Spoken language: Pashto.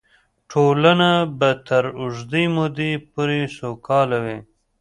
ټولنه به تر اوږدې مودې پورې سوکاله وي.